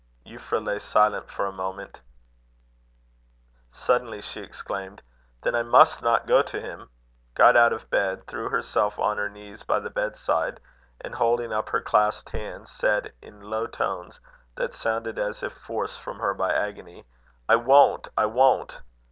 Euphra lay silent for a few moments. Suddenly she exclaimed: "Then I must not go to him," got out of bed, threw herself on her knees by the bedside, and holding up her clasped hands, said, in low tones that sounded as if forced from her by agony: "I won't! I won't!